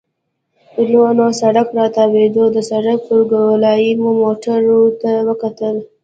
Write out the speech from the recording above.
نور نو سړک راتاوېده، د سړک پر ګولایې مو موټرو ته وکتل.